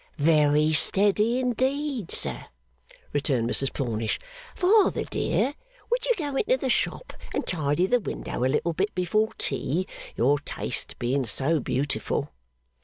'Very steady, indeed, sir,' returned Mrs Plornish. 'Father, dear, would you go into the shop and tidy the window a little bit before tea, your taste being so beautiful?